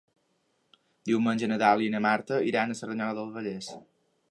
Diumenge na Dàlia i na Marta iran a Cerdanyola del Vallès.